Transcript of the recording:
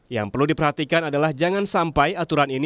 yang perlu diperhatikan adalah jangan sampai aturan ini